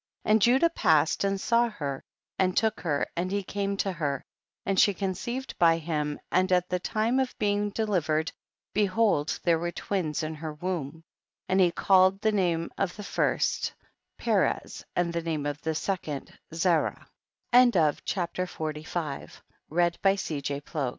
And Judah passed and saw her and took her and he came to her, and she conceived by him, and at the time of being delivered, behold^ there were twins in her womb, and he called the name of the first Perez, and the name of the second Zarah, CHAPTER XLV